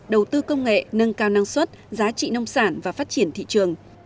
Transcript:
đầu tư công nghệ nâng cao năng suất giá trị nông sản và phát triển thị trường